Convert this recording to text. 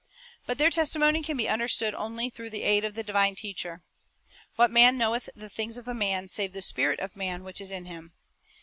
4 But their testimony can be understood only through the aid of the divine Teacher. "What man knoweth the things of a man, save the spirit of man which is in him?